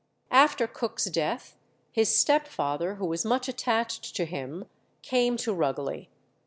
After Cook's death his stepfather, who was much attached to him, came to Rugeley.